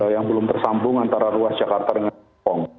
yang belum tersambung antara ruas jakarta dengan pong